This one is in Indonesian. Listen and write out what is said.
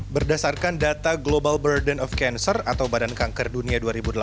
berdasarkan data global burden of cancer atau badan kanker dunia dua ribu delapan belas